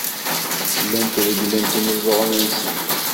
Llant regglent imeẓẓuɣen-nsent.